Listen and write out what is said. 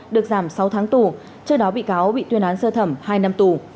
được giảm sáu tháng tù trước đó bị cáo bị tuyên án sơ thẩm hai năm tù